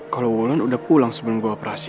kalau wulan udah pulang sebelum gue operasi